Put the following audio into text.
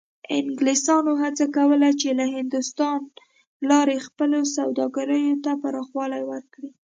انګلیسانو هڅه کوله چې له هندوستان لارې خپلو سوداګریو ته پراخوالی ورکړي.